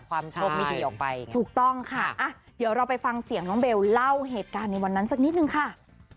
โชคไม่ดีออกไปถูกต้องค่ะเดี๋ยวเราไปฟังเสียงน้องเบลเล่าเหตุการณ์ในวันนั้นสักนิดนึงค่ะ